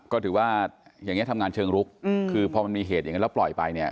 ก็ถือว่าทำงานเชิงลุกคือพอมีเหตุแบบนี้และปล่อยไป